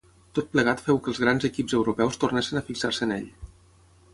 Tot plegat féu que els grans equips europeus tornessin a fixar-se en ell.